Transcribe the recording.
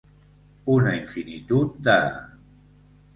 Una infinitud de.